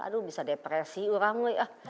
aduh bisa depresi orang